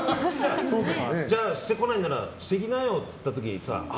じゃあ、してこないならしてきなよって言ったらさあ